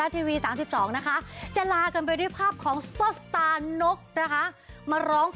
ความน่ารักของเด็ก